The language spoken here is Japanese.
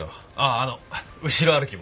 あの後ろ歩きも。